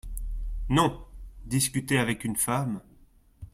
Non ! discuter avec une femme…